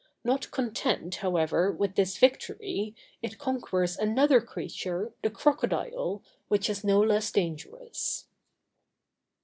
Not content, however, with this victory, it conquers another creature, the crocodile, which is no less dangerous.